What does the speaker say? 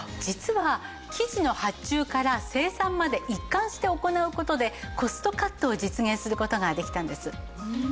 実は生地の発注から生産まで一貫して行う事でコストカットを実現する事ができたんです。